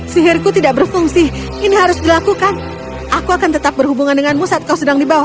sihirku tidak berfungsi ini harus dilakukan aku akan tetap berhubungan denganmu saat kau sedang dibawa